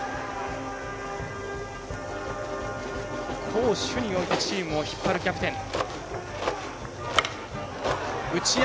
攻守においてチームを引っ張るキャプテン。